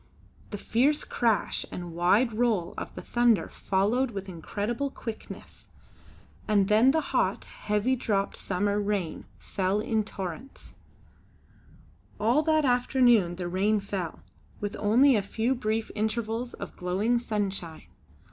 The fierce crash and wide roll of the thunder followed with incredible quickness. And then the hot, heavy dropped summer rain fell in torrents. All that afternoon the rain fell, with only a few brief intervals of glowing sunshine.